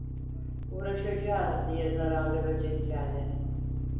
Uğraşacağız diye zararlı böceklerle...